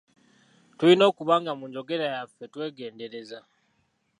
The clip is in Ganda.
Tulina okuba nga mu njogera yaffe twegendereza.